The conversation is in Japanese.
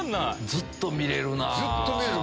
ずっと見れるなぁ。